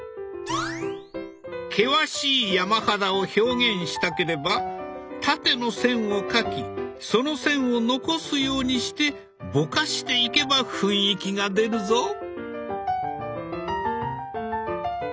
険しい山肌を表現したければ縦の線を描きその線を残すようにしてぼかしていけば雰囲気が出るぞ。